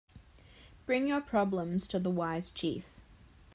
Bring your problems to the wise chief.